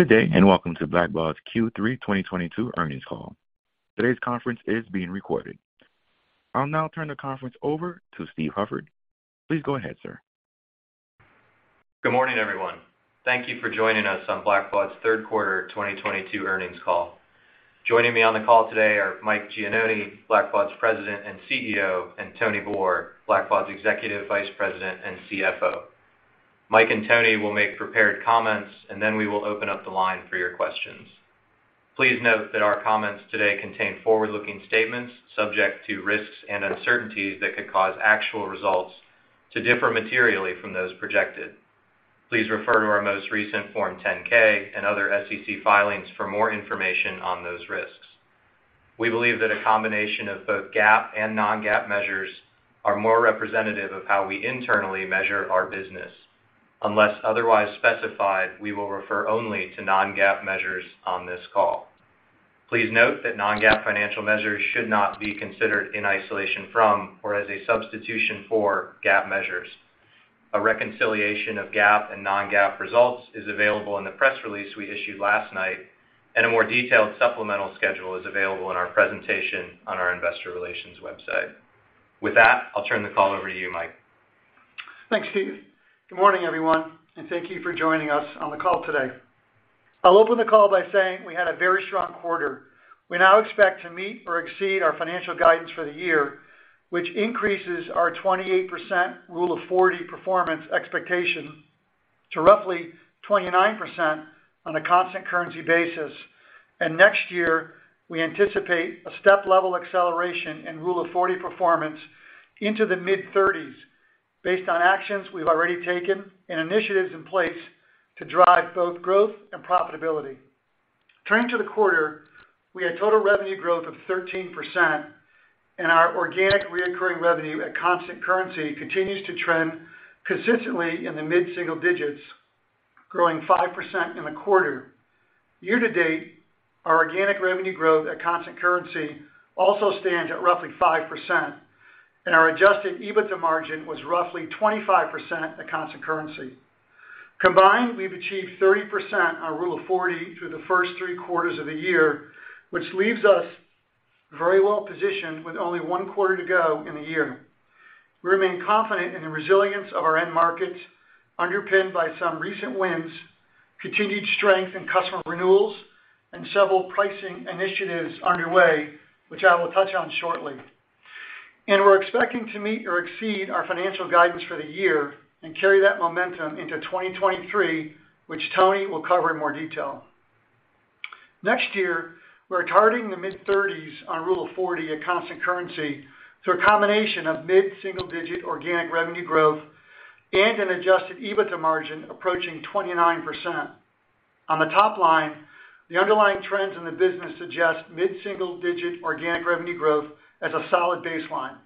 Good day, and welcome to Blackbaud's Q3 2022 earnings call. Today's conference is being recorded. I'll now turn the conference over to Steve Hufford. Please go ahead, sir. Good morning, everyone. Thank you for joining us on Blackbaud's Q3 2022 earnings call. Joining me on the call today are Mike Gianoni, Blackbaud's President and CEO, and Tony Boor, Blackbaud's Executive Vice President and CFO. Mike and Tony will make prepared comments, and then we will open up the line for your questions. Please note that our comments today contain forward-looking statements subject to risks and uncertainties that could cause actual results to differ materially from those projected. Please refer to our most recent Form 10-K and other SEC filings for more information on those risks. We believe that a combination of both GAAP and non-GAAP measures are more representative of how we internally measure our business. Unless otherwise specified, we will refer only to non-GAAP measures on this call. Please note that non-GAAP financial measures should not be considered in isolation from or as a substitution for GAAP measures. A reconciliation of GAAP and non-GAAP results is available in the press release we issued last night, and a more detailed supplemental schedule is available in our presentation on our investor relations website. With that, I'll turn the call over to you, Mike. Thanks, Steve. Good morning, everyone, and thank you for joining us on the call today. I'll open the call by saying we had a very strong quarter. We now expect to meet or exceed our financial guidance for the year, which increases our 28% Rule of 40 performance expectation to roughly 29% on a constant currency basis. Next year, we anticipate a step-level acceleration in Rule of 40 performance into the mid-thirties based on actions we've already taken and initiatives in place to drive both growth and profitability. Turning to the quarter, we had total revenue growth of 13%, and our organic recurring revenue at constant currency continues to trend consistently in the mid-single digits, growing 5% in the quarter. year-to-date, our organic revenue growth at constant currency also stands at roughly 5%, and our adjusted EBITDA margin was roughly 25% at constant currency. Combined, we've achieved 30% on Rule of 40 through the first three quarters of the year, which leaves us very well positioned with only one quarter to go in the year. We remain confident in the resilience of our end markets, underpinned by some recent wins, continued strength in customer renewals, and several pricing initiatives underway, which I will touch on shortly. We're expecting to meet or exceed our financial guidance for the year and carry that momentum into 2023, which Tony will cover in more detail. Next year, we're targeting the mid-30s on Rule of 40 at constant currency through a combination of mid-single digit organic revenue growth and an adjusted EBITDA margin approaching 29%. On the top line, the underlying trends in the business suggest mid-single digit organic revenue growth as a solid baseline.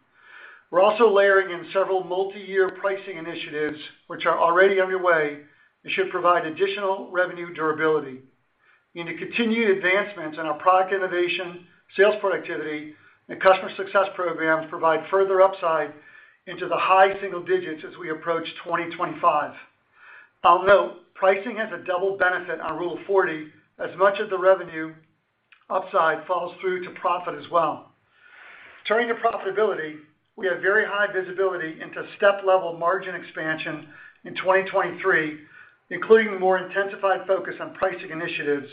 We're also layering in several multi-year pricing initiatives, which are already underway and should provide additional revenue durability. The continued advancements in our product innovation, sales productivity, and customer success programs provide further upside into the high single digits as we approach 2025. I'll note, pricing has a double benefit on Rule of 40, as much as the revenue upside falls through to profit as well. Turning to profitability, we have very high visibility into step-level margin expansion in 2023, including a more intensified focus on pricing initiatives,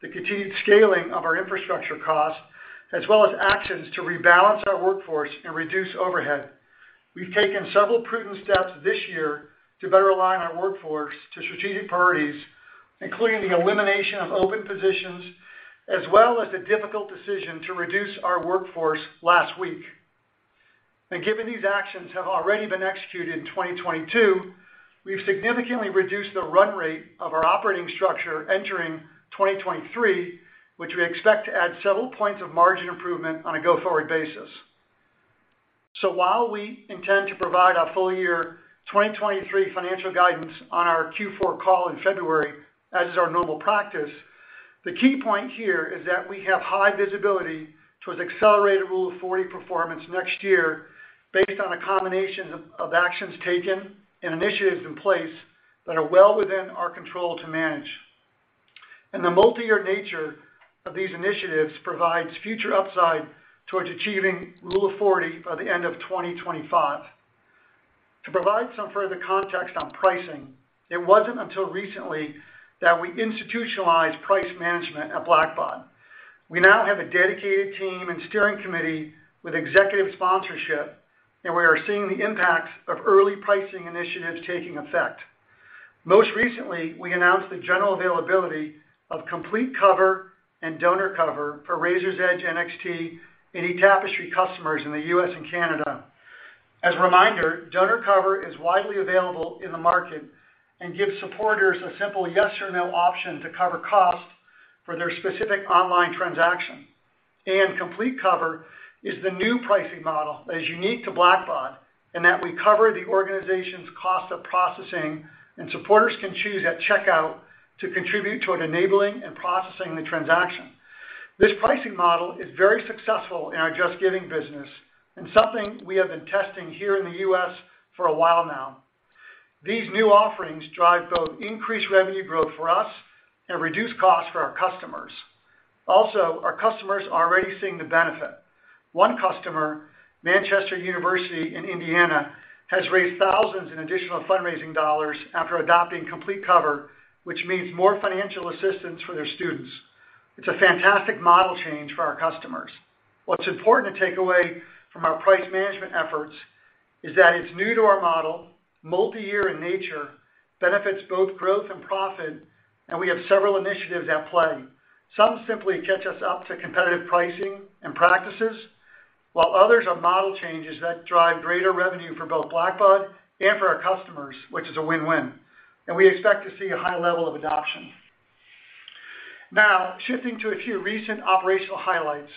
the continued scaling of our infrastructure costs, as well as actions to rebalance our workforce and reduce overhead. We've taken several prudent steps this year to better align our workforce to strategic priorities, including the elimination of open positions, as well as the difficult decision to reduce our workforce last week. Given these actions have already been executed in 2022, we've significantly reduced the run rate of our operating structure entering 2023, which we expect to add several points of margin improvement on a go-forward basis. While we intend to provide our full year 2023 financial guidance on our Q4 call in February as is our normal practice, the key point here is that we have high visibility towards accelerated Rule of 40 performance next year based on a combination of actions taken and initiatives in place that are well within our control to manage. The multi-year nature of these initiatives provides future upside towards achieving Rule of 40 by the end of 2025. To provide some further context on pricing, it wasn't until recently that we institutionalized price management at Blackbaud. We now have a dedicated team and steering committee with executive sponsorship, and we are seeing the impacts of early pricing initiatives taking effect. Most recently, we announced the general availability of Complete Cover and Donor Cover for Raiser's Edge NXT and eTapestry customers in the U.S. and Canada. As a reminder, Donor Cover is widely available in the market and gives supporters a simple yes or no option to cover costs for their specific online transaction. Complete Cover is the new pricing model that is unique to Blackbaud, in that we cover the organization's cost of processing, and supporters can choose at checkout to contribute toward enabling and processing the transaction. This pricing model is very successful in our JustGiving business and something we have been testing here in the U.S. for a while now. These new offerings drive both increased revenue growth for us and reduce costs for our customers. Also, our customers are already seeing the benefit. One customer, Manchester University in Indiana, has raised thousands in additional fundraising dollars after adopting Complete Cover, which means more financial assistance for their students. It's a fantastic model change for our customers. What's important to take away from our price management efforts is that it's new to our model, multi-year in nature, benefits both growth and profit, and we have several initiatives at play. Some simply catch us up to competitive pricing and practices, while others are model changes that drive greater revenue for both Blackbaud and for our customers, which is a win-win. We expect to see a high level of adoption. Now, shifting to a few recent operational highlights.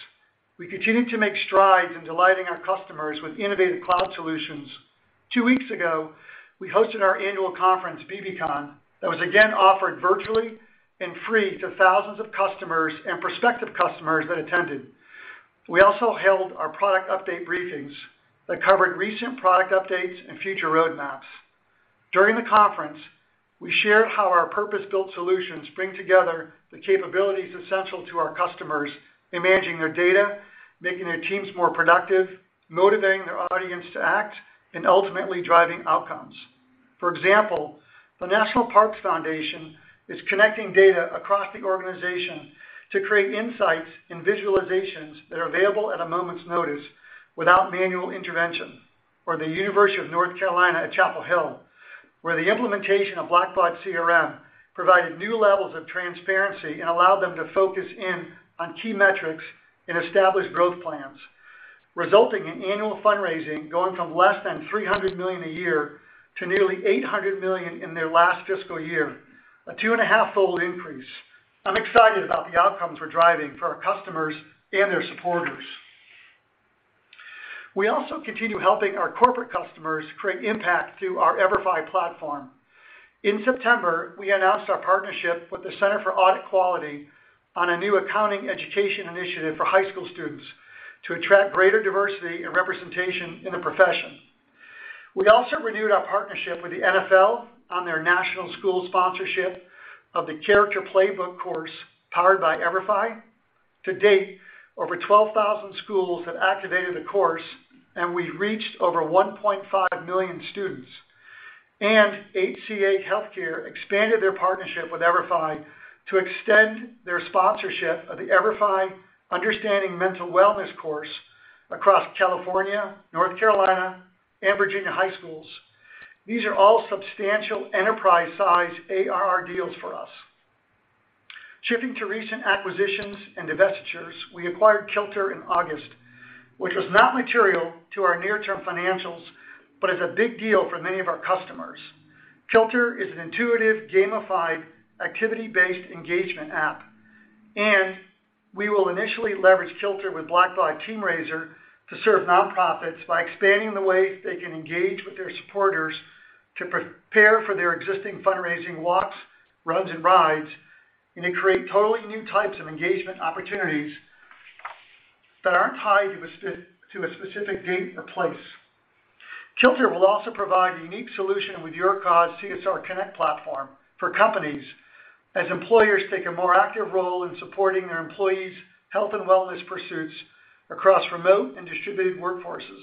We continue to make strides in delighting our customers with innovative cloud solutions. Two weeks ago, we hosted our annual conference, bbcon, that was again offered virtually and free to thousands of customers and prospective customers that attended. We also held our product update briefings that covered recent product updates and future roadmaps. During the conference, we shared how our purpose-built solutions bring together the capabilities essential to our customers in managing their data, making their teams more productive, motivating their audience to act, and ultimately driving outcomes. For example, the National Park Foundation is connecting data across the organization to create insights and visualizations that are available at a moment's notice without manual intervention, or the University of North Carolina at Chapel Hill, where the implementation of Blackbaud CRM provided new levels of transparency and allowed them to focus in on key metrics and establish growth plans, resulting in annual fundraising going from less than $300 million a year to nearly $800 million in their last fiscal year, a 2.5-fold increase. I'm excited about the outcomes we're driving for our customers and their supporters. We also continue helping our corporate customers create impact through our EVERFI platform. In September, we announced our partnership with the Center for Audit Quality on a new accounting education initiative for high school students to attract greater diversity and representation in the profession. We also renewed our partnership with the NFL on their national school sponsorship of the Character Playbook course powered by EVERFI. To date, over 12,000 schools have activated the course, and we've reached over 1.5 million students. HCA Healthcare expanded their partnership with EVERFI to extend their sponsorship of the EVERFI Understanding Mental Wellness course across California, North Carolina, and Virginia high schools. These are all substantial enterprise-size ARR deals for us. Shifting to recent acquisitions and divestitures, we acquired Kilter in August, which was not material to our near-term financials, but is a big deal for many of our customers. Kilter is an intuitive, gamified, activity-based engagement app, and we will initially leverage Kilter with Blackbaud TeamRaiser to serve nonprofits by expanding the ways they can engage with their supporters to prepare for their existing fundraising walks, runs, and rides, and to create totally new types of engagement opportunities that aren't tied to a specific date or place. Kilter will also provide a unique solution with YourCause CSRconnect platform for companies as employers take a more active role in supporting their employees' health and wellness pursuits across remote and distributed workforces.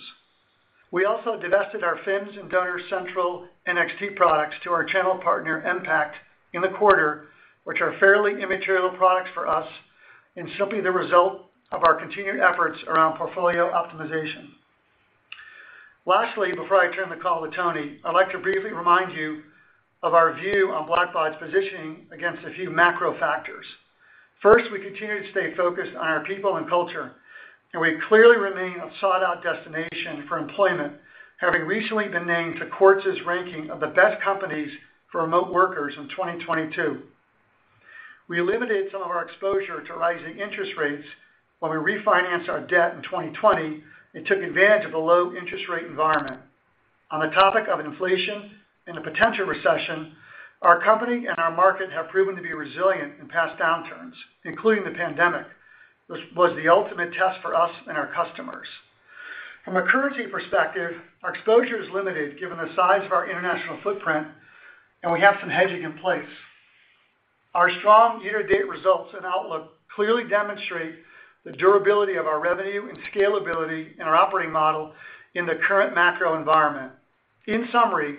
We also divested our FIMS and DonorCentral NXT products to our channel partner, NPact, in the quarter, which are fairly immaterial products for us and simply the result of our continued efforts around portfolio optimization. Lastly, before I turn the call to Tony, I'd like to briefly remind you of our view on Blackbaud's positioning against a few macro factors. First, we continue to stay focused on our people and culture, and we clearly remain a sought-out destination for employment, having recently been named to Quartz's ranking of the best companies for remote workers in 2022. We eliminated some of our exposure to rising interest rates when we refinanced our debt in 2020 and took advantage of a low interest rate environment. On the topic of inflation and a potential recession, our company and our market have proven to be resilient in past downturns, including the pandemic, which was the ultimate test for us and our customers. From a currency perspective, our exposure is limited given the size of our international footprint, and we have some hedging in place. Our strong year-to-date results and outlook clearly demonstrate the durability of our revenue and scalability in our operating model in the current macro environment. In summary,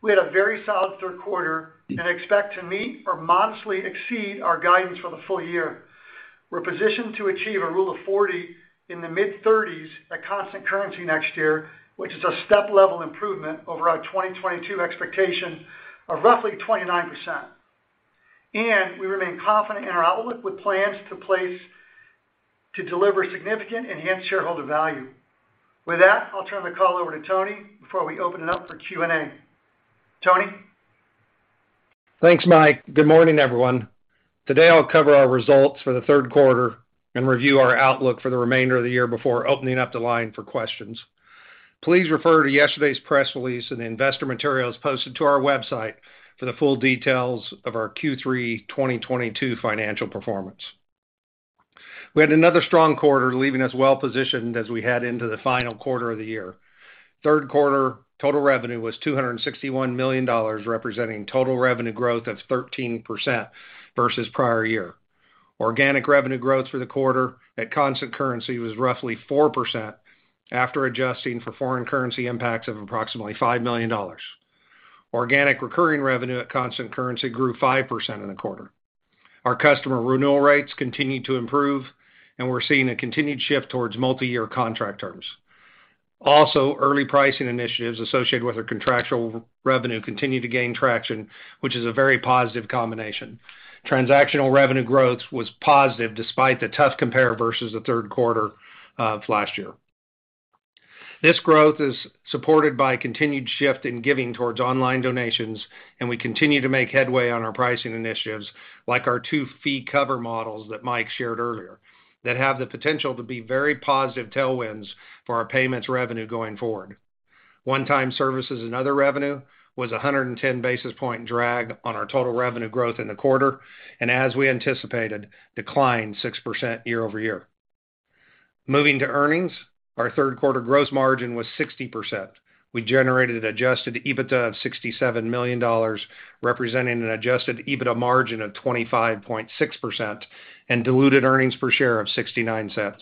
we had a very solid Q3 and expect to meet or modestly exceed our guidance for the full year. We're positioned to achieve a Rule of 40 in the mid-30s at constant currency next year, which is a step-level improvement over our 2022 expectation of roughly 29%. We remain confident in our outlook with plans in place to deliver significantly enhanced shareholder value. With that, I'll turn the call over to Tony before we open it up for Q&A. Tony? Thanks, Mike. Good morning, everyone. Today, I'll cover our results for the Q3 and review our outlook for the remainder of the year before opening up the line for questions. Please refer to yesterday's press release and investor materials posted to our website for the full details of our Q3 2022 financial performance. We had another strong quarter, leaving us well-positioned as we head into the final quarter of the year. Q3 total revenue was $261 million, representing total revenue growth of 13% versus prior year. Organic revenue growth for the quarter at constant currency was roughly 4% after adjusting for foreign currency impacts of approximately $5 million. Organic recurring revenue at constant currency grew 5% in the quarter. Our customer renewal rates continued to improve, and we're seeing a continued shift towards multi-year contract terms. Early pricing initiatives associated with our contractual revenue continue to gain traction, which is a very positive combination. Transactional revenue growth was positive despite the tough compare versus the Q3 of last year. This growth is supported by a continued shift in giving towards online donations, and we continue to make headway on our pricing initiatives, like our two fee cover models that Mike shared earlier, that have the potential to be very positive tailwinds for our payments revenue going forward. One-time services and other revenue was a 110 basis point drag on our total revenue growth in the quarter, and as we anticipated, declined 6% year-over-year. Moving to earnings, our Q3 gross margin was 60%. We generated adjusted EBITDA of $67 million, representing an adjusted EBITDA margin of 25.6% and diluted earnings per share of $0.69.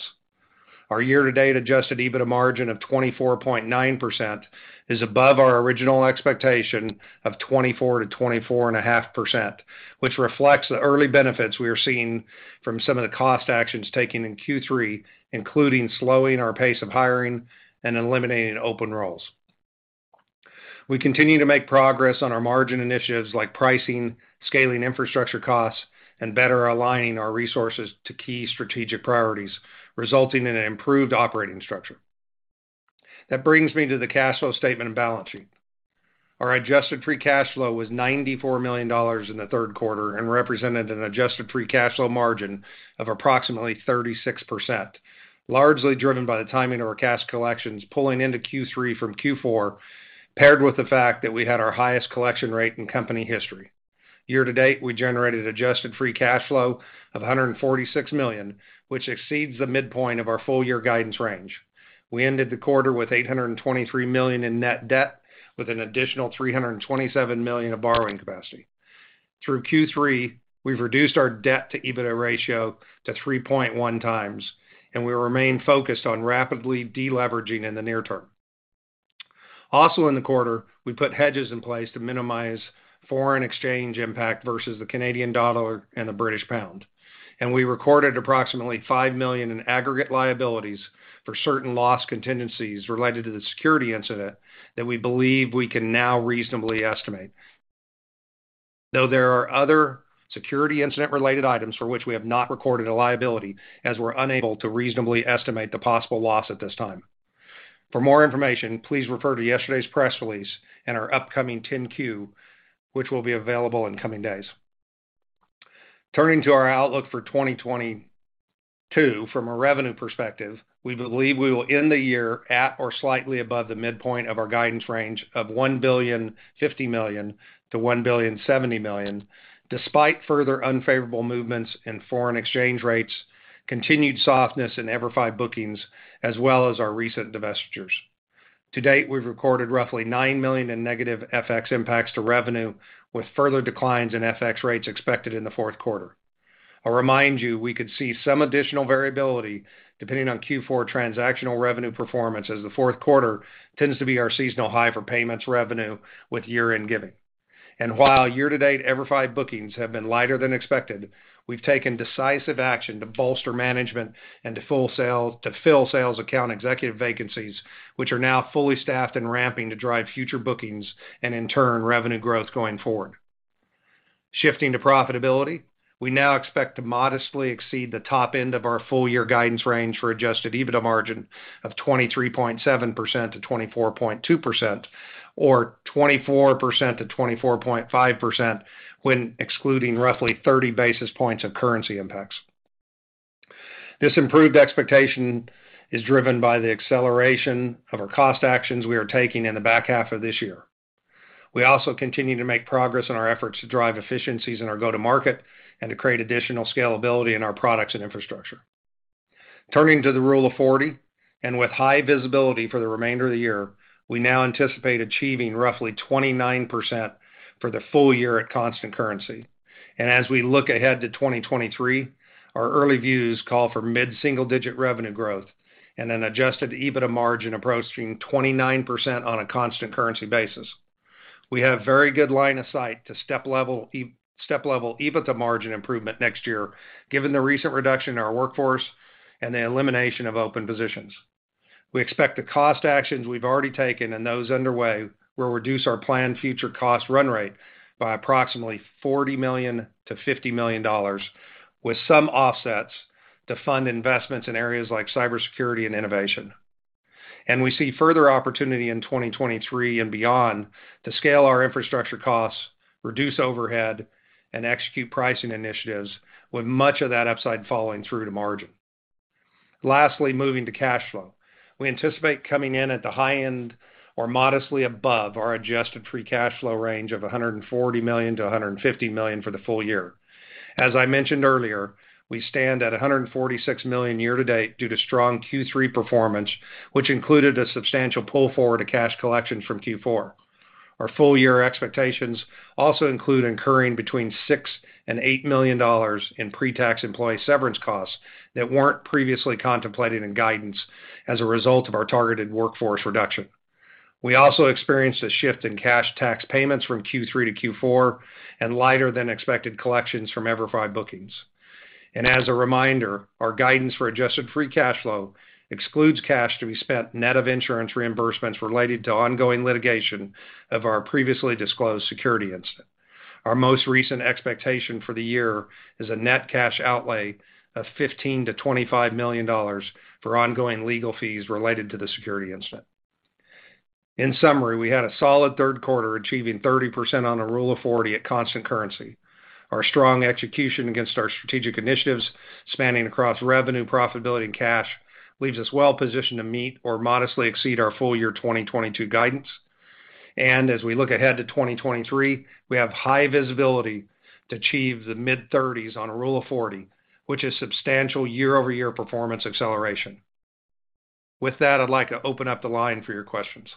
Our year-to-date adjusted EBITDA margin of 24.9% is above our original expectation of 24%-24.5%, which reflects the early benefits we are seeing from some of the cost actions taken in Q3, including slowing our pace of hiring and eliminating open roles. We continue to make progress on our margin initiatives like pricing, scaling infrastructure costs, and better aligning our resources to key strategic priorities, resulting in an improved operating structure. That brings me to the cash flow statement and balance sheet. Our adjusted free cash flow was $94 million in the Q3 and represented an adjusted free cash flow margin of approximately 36%, largely driven by the timing of our cash collections pulling into Q3 from Q4, paired with the fact that we had our highest collection rate in company history. Year-to-date, we generated adjusted free cash flow of $146 million, which exceeds the midpoint of our full year guidance range. We ended the quarter with $823 million in net debt, with an additional $327 million of borrowing capacity. Through Q3, we've reduced our debt-to-EBITDA ratio to 3.1x, and we remain focused on rapidly deleveraging in the near term. Also in the quarter, we put hedges in place to minimize foreign exchange impact versus the Canadian dollar and the British pound. We recorded approximately $5 million in aggregate liabilities for certain loss contingencies related to the security incident that we believe we can now reasonably estimate. Though there are other security incident-related items for which we have not recorded a liability as we're unable to reasonably estimate the possible loss at this time. For more information, please refer to yesterday's press release and our upcoming 10-Q, which will be available in coming days. Turning to our outlook for 2022 from a revenue perspective, we believe we will end the year at or slightly above the midpoint of our guidance range of $1.05 billion-$1.07 billion, despite further unfavorable movements in foreign exchange rates, continued softness in EVERFI bookings, as well as our recent divestitures. To date, we've recorded roughly $9 million in negative FX impacts to revenue, with further declines in FX rates expected in the Q4. I'll remind you, we could see some additional variability depending on Q4 transactional revenue performance as the Q4 tends to be our seasonal high for payments revenue with year-end giving. While year-to-date EVERFI bookings have been lighter than expected, we've taken decisive action to bolster management and to fill sales account executive vacancies, which are now fully staffed and ramping to drive future bookings and in turn, revenue growth going forward. Shifting to profitability, we now expect to modestly exceed the top end of our full year guidance range for adjusted EBITDA margin of 23.7%-24.2% or 24%-24.5% when excluding roughly 30 basis points of currency impacts. This improved expectation is driven by the acceleration of our cost actions we are taking in the back half of this year. We also continue to make progress in our efforts to drive efficiencies in our go-to-market and to create additional scalability in our products and infrastructure. Turning to the Rule of 40, and with high visibility for the remainder of the year, we now anticipate achieving roughly 29% for the full year at constant currency. As we look ahead to 2023, our early views call for mid-single-digit revenue growth and an adjusted EBITDA margin approaching 29% on a constant currency basis. We have very good line of sight to step-level EBITDA margin improvement next year, given the recent reduction in our workforce and the elimination of open positions. We expect the cost actions we've already taken and those underway will reduce our planned future cost run rate by approximately $40 million-$50 million, with some offsets to fund investments in areas like cybersecurity and innovation. We see further opportunity in 2023 and beyond to scale our infrastructure costs. Reduce overhead and execute pricing initiatives with much of that upside falling through to margin. Lastly, moving to cash flow. We anticipate coming in at the high end or modestly above our adjusted free cash flow range of $140 million-150 million for the full year. As I mentioned earlier, we stand at $146 million year-to-date due to strong Q3 performance, which included a substantial pull forward to cash collections from Q4. Our full year expectations also include incurring between $6 million and $8 million in pre-tax employee severance costs that weren't previously contemplated in guidance as a result of our targeted workforce reduction. We also experienced a shift in cash tax payments from Q3 to Q4 and lighter than expected collections from EVERFI bookings. As a reminder, our guidance for adjusted free cash flow excludes cash to be spent net of insurance reimbursements related to ongoing litigation of our previously disclosed security incident. Our most recent expectation for the year is a net cash outlay of $15 million-$25 million for ongoing legal fees related to the security incident. In summary, we had a solid Q3, achieving 30% on a Rule of 40 at constant currency. Our strong execution against our strategic initiatives spanning across revenue, profitability and cash leaves us well positioned to meet or modestly exceed our full year 2022 guidance. As we look ahead to 2023, we have high visibility to achieve the mid-30s on a Rule of 40, which is substantial year-over-year performance acceleration. With that, I'd like to open up the line for your questions.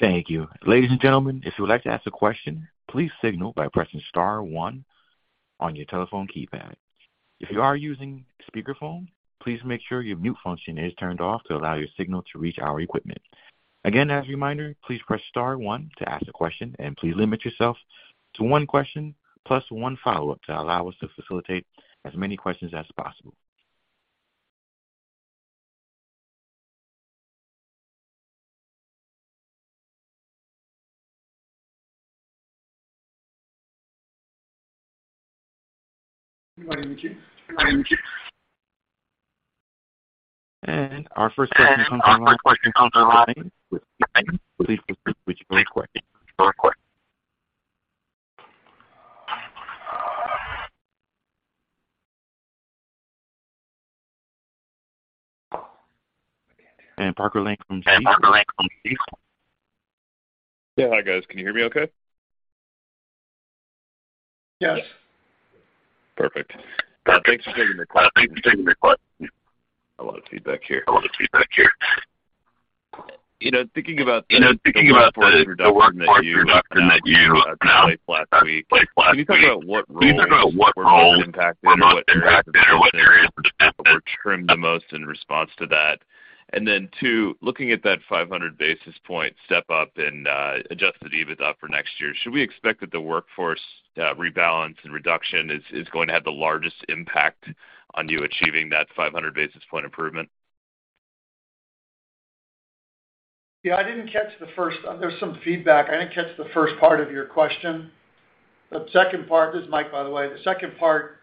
Thank you. Ladies and gentlemen, if you would like to ask a question, please signal by pressing star one on your telephone keypad. If you are using speakerphone, please make sure your mute function is turned off to allow your signal to reach our equipment. Again, as a reminder, please press star one to ask a question, and please limit yourself to one question plus one follow-up to allow us to facilitate as many questions as possible. Good morning to you. Our first question comes from the line of Parker Lane with Stifel. Please proceed with your question. Yeah. Hi, guys. Can you hear me okay? Yes. Perfect. Thanks for taking the questions. A lot of feedback here. You know, thinking about the workforce reduction that you announced that took place last week, can you talk about what roles were most impacted or what areas of the business were trimmed the most in response to that? Then two, looking at that 500 basis point step up in adjusted EBITDA for next year, should we expect that the workforce rebalance and reduction is going to have the largest impact on you achieving that 500 basis point improvement? Yeah, I didn't catch the first part of your question. There's some feedback. I didn't catch the first part of your question. The second part, this is Mike, by the way. The second part,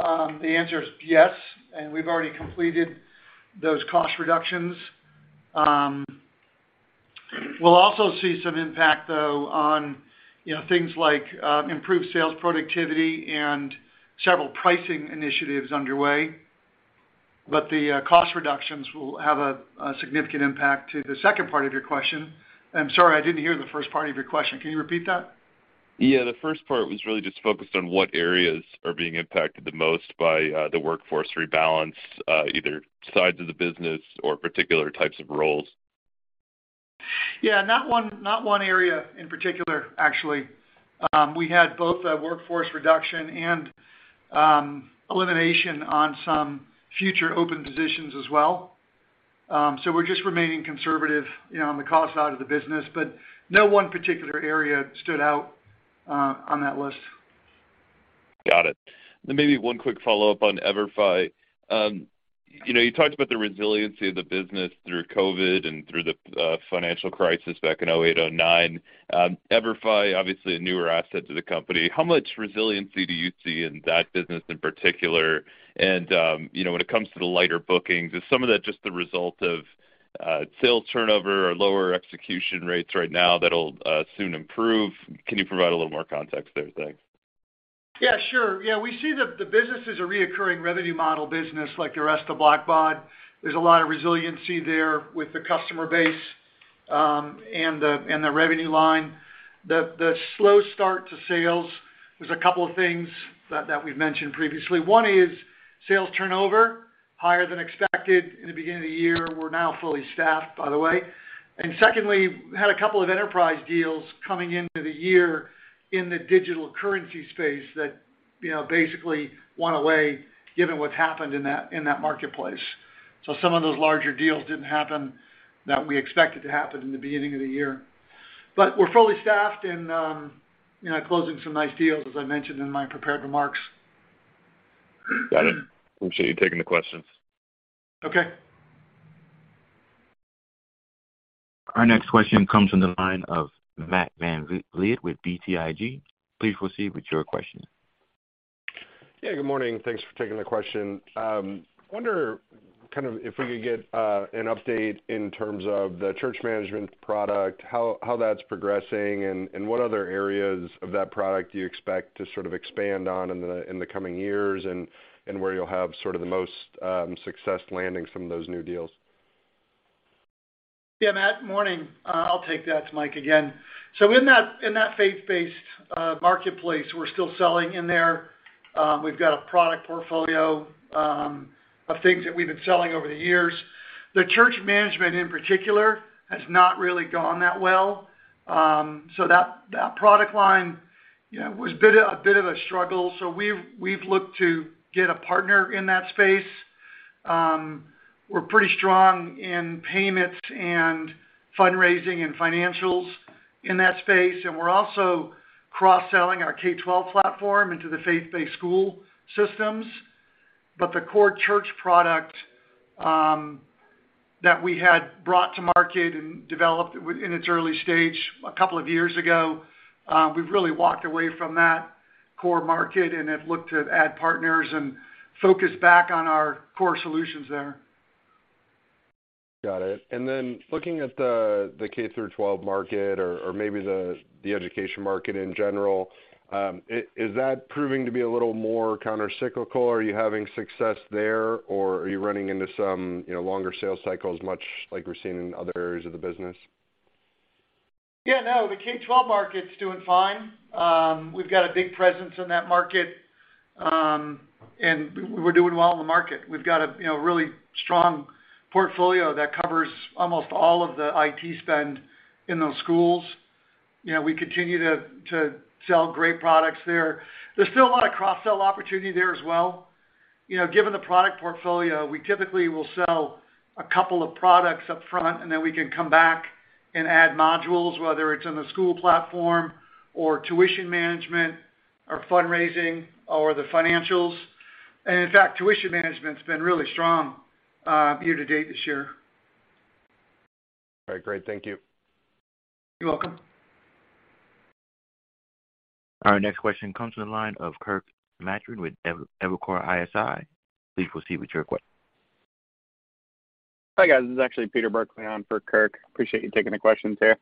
the answer is yes, and we've already completed those cost reductions. We'll also see some impact, though, on, you know, things like improved sales productivity and several pricing initiatives underway. The cost reductions will have a significant impact to the second part of your question. I'm sorry, I didn't hear the first part of your question. Can you repeat that? Yeah, the first part was really just focused on what areas are being impacted the most by the workforce rebalance, either sides of the business or particular types of roles. Yeah. Not one area in particular, actually. We had both a workforce reduction and elimination of some future open positions as well. We're just remaining conservative, you know, on the cost side of the business, but no one particular area stood out on that list. Got it. Maybe one quick follow-up on EVERFI. You know, you talked about the resiliency of the business through COVID and through the financial crisis back in 2008, 2009. EVERFI obviously a newer asset to the company. How much resiliency do you see in that business in particular? You know, when it comes to the lighter bookings, is some of that just the result of sales turnover or lower execution rates right now that'll soon improve? Can you provide a little more context there? Thanks. Yeah, sure. Yeah, we see the business as a recurring revenue model business like the rest of Blackbaud. There's a lot of resiliency there with the customer base and the revenue line. The slow start to sales, there's a couple of things that we've mentioned previously. One is sales turnover, higher than expected in the beginning of the year. We're now fully staffed, by the way. Secondly, had a couple of enterprise deals coming into the year in the digital currency space that you know, basically went away given what's happened in that marketplace. Some of those larger deals didn't happen that we expected to happen in the beginning of the year. We're fully staffed and you know, closing some nice deals, as I mentioned in my prepared remarks. Got it. Appreciate you taking the questions. Okay. Our next question comes from the line of Matthew VanVliet with BTIG. Please proceed with your question. Yeah, good morning. Thanks for taking the question. I wonder kind of if we could get an update in terms of the church management product, how that's progressing and what other areas of that product do you expect to sort of expand on in the coming years and where you'll have sort of the most success landing some of those new deals? Yeah, Matt, morning. I'll take that. It's Mike again. In that faith-based marketplace, we're still selling in there. We've got a product portfolio of things that we've been selling over the years. The church management, in particular, has not really gone that well. That product line, you know, was a bit of a struggle, so we've looked to get a partner in that space. We're pretty strong in payments and fundraising and financials in that space, and we're also cross-selling our K-12 platform into the faith-based school systems. The core church product that we had brought to market and developed in its early stage a couple of years ago, we've really walked away from that core market and have looked to add partners and focus back on our core solutions there. Got it. Looking at the K-12 market or maybe the education market in general, is that proving to be a little more countercyclical? Are you having success there, or are you running into some, you know, longer sales cycles, much like we're seeing in other areas of the business? Yeah, no, the K-12 market's doing fine. We've got a big presence in that market, and we're doing well in the market. We've got a you know, really strong portfolio that covers almost all of the IT spend in those schools. You know, we continue to sell great products there. There's still a lot of cross-sell opportunity there as well. You know, given the product portfolio, we typically will sell a couple of products up front, and then we can come back and add modules, whether it's on the school platform or tuition management or fundraising or the financials. In fact, tuition management's been really strong, year-to-date this year. All right, great. Thank you. You're welcome. Our next question comes from the line of Kirk Materne with Evercore ISI. Please proceed with your question. Hi, guys. This is actually Peter Burkly on for Kirk. Appreciate you taking the questions here.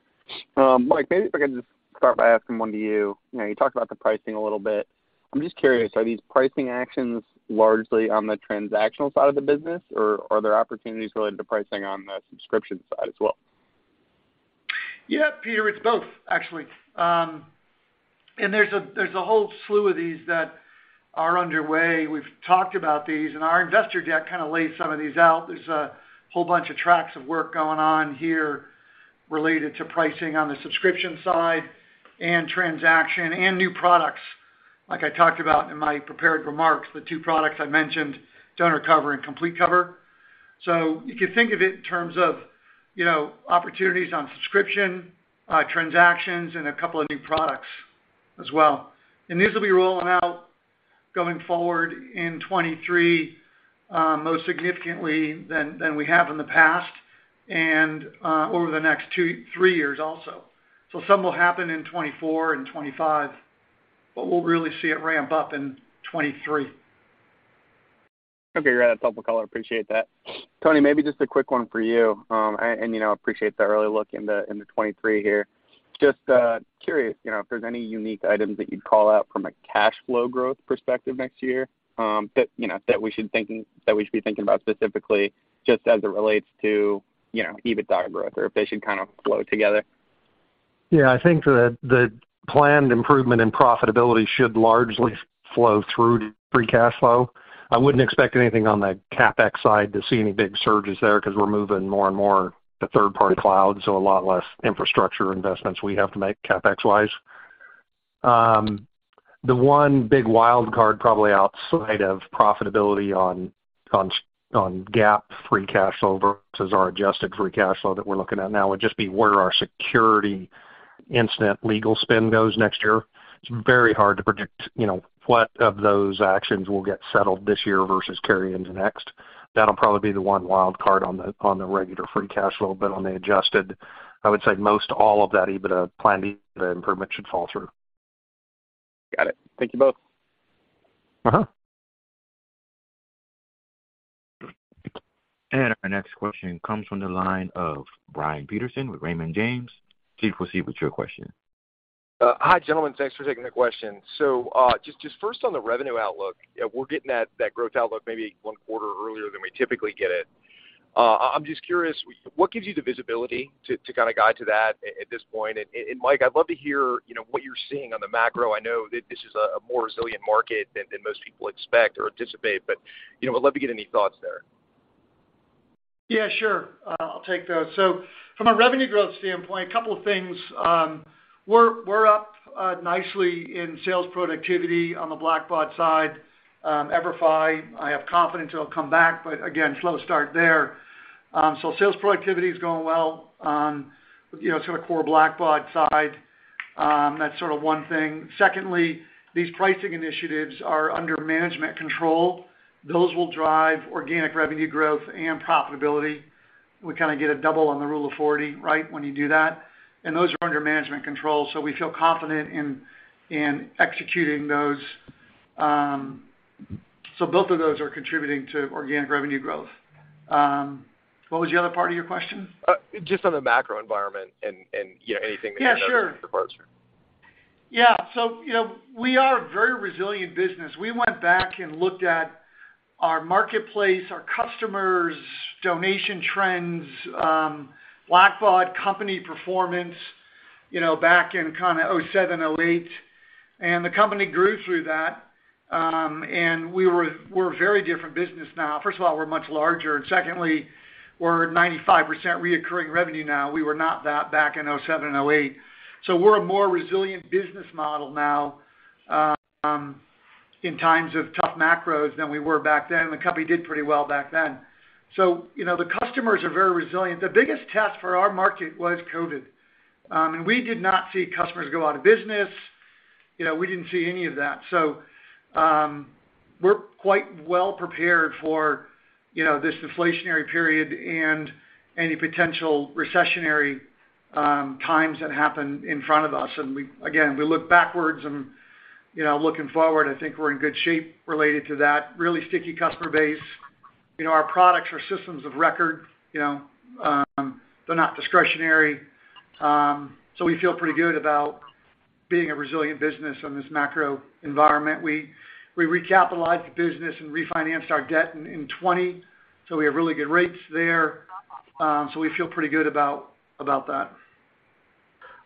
Mike, maybe if I could just start by asking one to you. You know, you talked about the pricing a little bit. I'm just curious, are these pricing actions largely on the transactional side of the business, or are there opportunities related to pricing on the subscription side as well? Yeah, Peter, it's both actually. There's a whole slew of these that are underway. We've talked about these, and our investor deck kind of laid some of these out. There's a whole bunch of tracks of work going on here related to pricing on the subscription side and transaction and new products. Like I talked about in my prepared remarks, the two products I mentioned, Donor Cover and Complete Cover. You could think of it in terms of, you know, opportunities on subscription, transactions, and a couple of new products as well. These will be rolling out going forward in 2023, most significantly than we have in the past and over the next two, three years also. Some will happen in 2024 and 2025, but we'll really see it ramp up in 2023. Okay, great. That's helpful color. Appreciate that. Tony, maybe just a quick one for you. Appreciate the early look into 2023 here. Just curious, you know, if there's any unique items that you'd call out from a cash flow growth perspective next year, you know, that we should be thinking about specifically just as it relates to, you know, EBITDA growth or if they should kind of flow together. Yeah. I think the planned improvement in profitability should largely flow through to free cash flow. I wouldn't expect anything on the CapEx side to see any big surges there because we're moving more and more to third-party cloud, so a lot less infrastructure investments we have to make CapEx-wise. The one big wildcard probably outside of profitability on GAAP free cash flow versus our adjusted free cash flow that we're looking at now would just be where our security incident legal spend goes next year. It's very hard to predict, you know, what of those actions will get settled this year versus carry into next. That'll probably be the one wildcard on the regular free cash flow. On the adjusted, I would say most all of that EBITDA planned improvement should fall through. Got it. Thank you both. Uh-huh. Our next question comes from the line of Brian Peterson with Raymond James. Please proceed with your question. Hi, gentlemen. Thanks for taking the question. Just first on the revenue outlook, we're getting that growth outlook maybe one quarter earlier than we typically get it. I'm just curious, what gives you the visibility to kind of guide to that at this point? Mike, I'd love to hear, you know, what you're seeing on the macro. I know that this is a more resilient market than most people expect or anticipate, but you know, I'd love to get any thoughts there. Yeah, sure. I'll take that. So from a revenue growth standpoint, a couple of things. We're up nicely in sales productivity on the Blackbaud side. EVERFI, I have confidence it'll come back, but again, slow start there. So sales productivity is going well on, you know, sort of core Blackbaud side. That's sort of one thing. Secondly, these pricing initiatives are under management control. Those will drive organic revenue growth and profitability. We kind of get a double on the Rule of 40, right, when you do that. Those are under management control, so we feel confident in executing those. So both of those are contributing to organic revenue growth. What was the other part of your question? Just on the macro environment and, you know, anything that you know. Yeah, sure. is the part. Yeah. You know, we are a very resilient business. We went back and looked at our marketplace, our customers, donation trends, Blackbaud company performance, you know, back in kind of 2007, 2008, and the company grew through that. We're a very different business now. First of all, we're much larger. Secondly, we're 95% recurring revenue now. We were not that back in 2007 and 2008. We're a more resilient business model now, in times of tough macros than we were back then. The company did pretty well back then. You know, the customers are very resilient. The biggest test for our market was COVID. We did not see customers go out of business. You know, we didn't see any of that. We're quite well-prepared for, you know, this deflationary period and any potential recessionary times that happen in front of us. We look backwards and, you know, looking forward, I think we're in good shape related to that really sticky customer base. You know, our products are systems of record, you know, they're not discretionary. We feel pretty good about being a resilient business in this macro environment. We recapitalized the business and refinanced our debt in 2020, so we have really good rates there. We feel pretty good about that.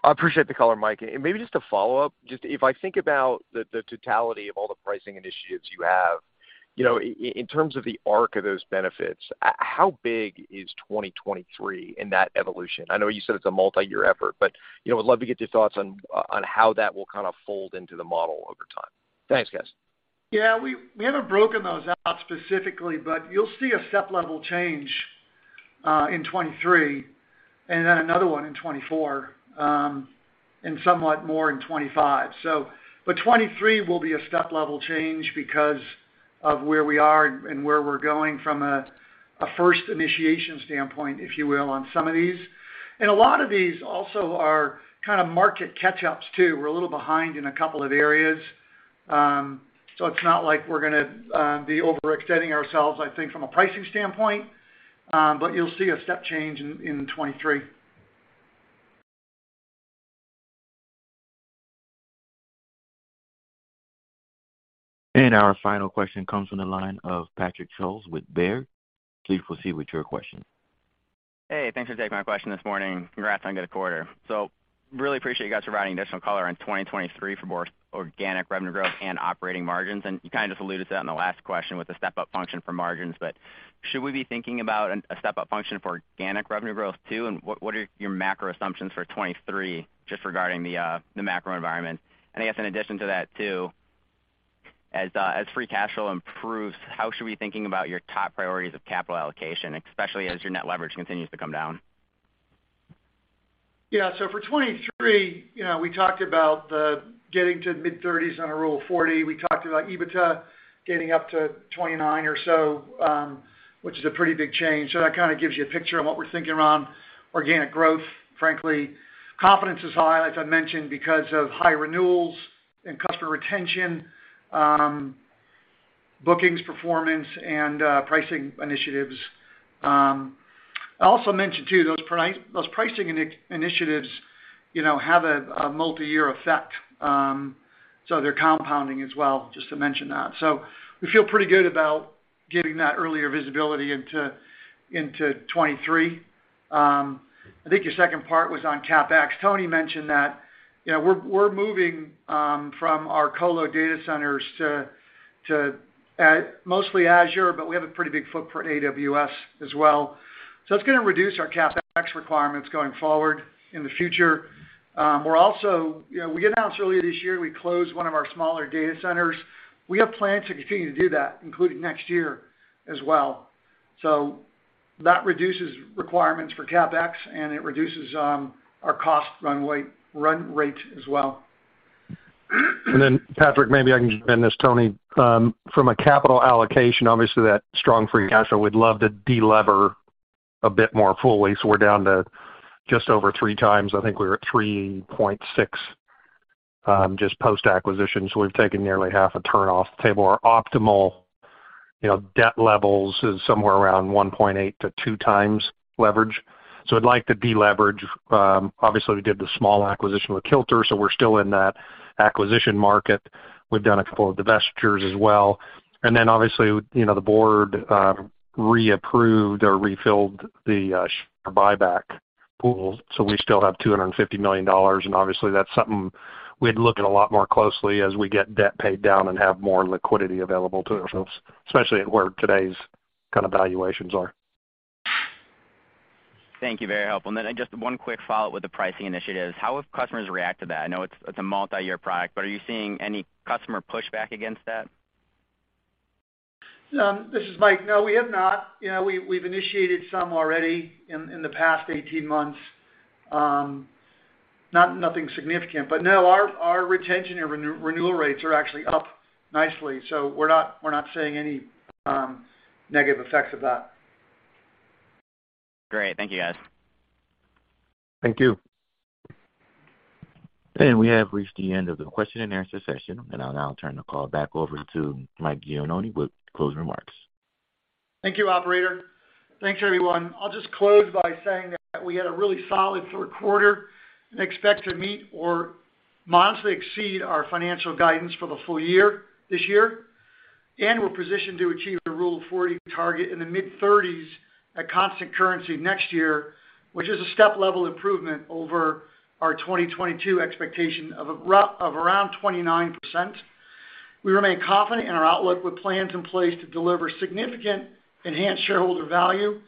I appreciate the color, Mike. Maybe just a follow-up. Just if I think about the totality of all the pricing initiatives you have, you know, in terms of the arc of those benefits, how big is 2023 in that evolution? I know you said it's a multi-year effort, but, you know, I would love to get your thoughts on how that will kind of fold into the model over time. Thanks, guys. Yeah, we haven't broken those out specifically, but you'll see a step-level change in 2023, and then another one in 2024, and somewhat more in 2025. But 2023 will be a step-level change because of where we are and where we're going from a first initiation standpoint, if you will, on some of these. A lot of these also are kind of market catch-ups, too. We're a little behind in a couple of areas. It's not like we're gonna be overextending ourselves, I think, from a pricing standpoint, but you'll see a step change in 2023. Our final question comes from the line of Patrick Schulz with Baird. Please proceed with your question. Hey, thanks for taking my question this morning. Congrats on a good quarter. Really appreciate you guys providing additional color on 2023 for more organic revenue growth and operating margins. You kind of just alluded to that in the last question with the step-up function for margins. Should we be thinking about a step-up function for organic revenue growth, too? What are your macro assumptions for 2023, just regarding the macro environment? I guess in addition to that, too, as free cash flow improves, how should we be thinking about your top priorities of capital allocation, especially as your net leverage continues to come down? Yeah. For 2023, you know, we talked about getting to mid-30s on a Rule of 40. We talked about EBITDA getting up to 29 or so, which is a pretty big change. That kind of gives you a picture of what we're thinking around organic growth, frankly. Confidence is high, as I mentioned, because of high renewals and customer retention, bookings performance and pricing initiatives. I also mentioned, too, those pricing initiatives, you know, have a multiyear effect. They're compounding as well, just to mention that. We feel pretty good about getting that earlier visibility into 2023. I think your second part was on CapEx. Tony mentioned that, you know, we're moving from our colo data centers to mostly Azure, but we have a pretty big footprint at AWS as well. It's gonna reduce our CapEx requirements going forward in the future. We're also, you know, we announced earlier this year we closed one of our smaller data centers. We have plans to continue to do that, including next year as well. That reduces requirements for CapEx, and it reduces our cost run rate as well. Patrick, maybe I can just end this, Tony. From a capital allocation, obviously, that strong free cash flow, we'd love to delever a bit more fully, so we're down to just over three times. I think we were at 3.6, just post-acquisition, so we've taken nearly half a turn off the table. Our optimal, you know, debt levels is somewhere around 1.8 to two times leverage. I'd like to deleverage. Obviously, we did the small acquisition with Kilter, so we're still in that acquisition market. We've done a couple of divestitures as well. Obviously, you know, the board reapproved or refilled the share buyback pool, so we still have $250 million, and obviously that's something we'd look at a lot more closely as we get debt paid down and have more liquidity available to ourselves, especially at where today's kind of valuations are. Thank you. Very helpful. Just one quick follow-up with the pricing initiatives. How have customers react to that? I know it's a multi-year product, but are you seeing any customer pushback against that? This is Mike. No, we have not. You know, we've initiated some already in the past 18 months. Nothing significant. No, our retention and renewal rates are actually up nicely, so we're not seeing any negative effects of that. Great. Thank you, guys. Thank you. We have reached the end of the question and answer session, and I'll now turn the call back over to Mike Gianoni with closing remarks. Thank you, operator. Thanks, everyone. I'll just close by saying that we had a really solid Q3 and expect to meet or modestly exceed our financial guidance for the full year this year. We're positioned to achieve the Rule of 40 target in the mid-30s at constant currency next year, which is a step-level improvement over our 2022 expectation of around 29%. We remain confident in our outlook with plans in place to deliver significant enhanced shareholder value.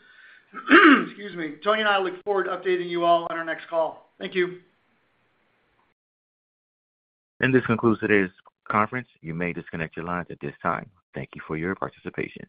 Excuse me. Tony and I look forward to updating you all on our next call. Thank you. This concludes today's conference. You may disconnect your lines at this time. Thank you for your participation.